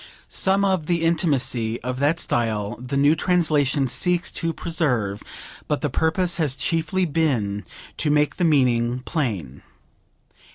Some of the intimacy of that style the new translation seeks to preserve, but the purpose has chiefly been to make the meaning plain.